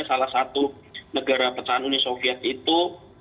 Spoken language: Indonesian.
salah satu negara pecahan uni soviet itu